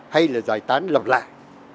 hay là giải tán lầm lại